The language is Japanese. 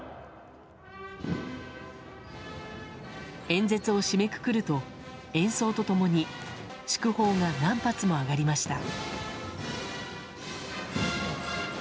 演説を締めくくると演奏と共に祝砲が何発も上がりました。